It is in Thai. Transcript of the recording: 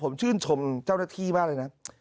ผมชื่นชมเจ้าหน้าที่มากเลยนะ